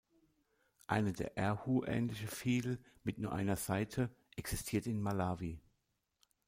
Eine der "erhu" ähnliche Fiedel mit nur einer Saite existiert in Malawi.